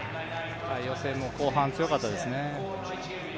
予選も後半強かったですね。